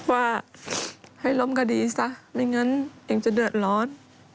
ว่าให้ล้มคดีซะไม่งั้นเองจะเดือดร้อน